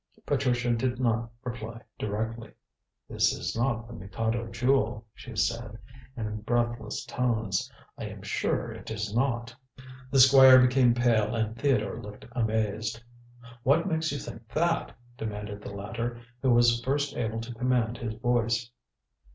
Patricia did not reply directly. "This is not the Mikado Jewel," she said in breathless tones. "I am sure it is not." The Squire became pale and Theodore looked amazed. "What makes you think that?" demanded the latter, who was first able to command his voice.